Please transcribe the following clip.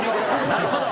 なるほど。